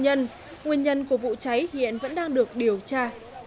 nguyên nhân của vụ cháy hiện vẫn đang được điều tra